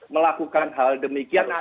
melakukan hal demikian